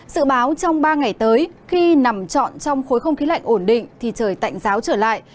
sự báo trong ba ngày tới khi nằm trọn trong khối không khí lạnh ổn định thì trời tạnh giáo trở lại